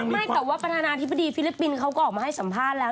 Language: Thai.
ไม่แต่ว่าประธานาธิบดีฟิลิปปินส์เขาก็ออกมาให้สัมภาษณ์แล้ว